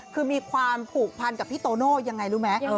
คือมีความผูกพันกับพี่โตโน่ยังไงรู้ไหม